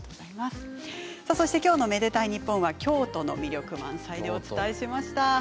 そして今日の「愛でたいｎｉｐｐｏｎ」は京都の魅力満載でお伝えしました。